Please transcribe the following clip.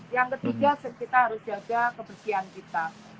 yang ketiga kita harus jaga kebersihan kita